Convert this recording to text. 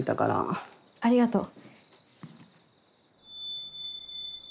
ありがとう。